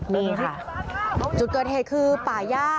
นี่ค่ะจุดเกิดเหตุคือป่าย่า